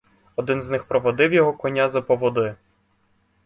Один з них провадив його коня за поводи.